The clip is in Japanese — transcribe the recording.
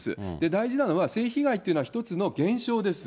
大事なのは、性被害っていうのは、一つの現象です。